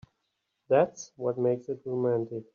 That's what makes it romantic.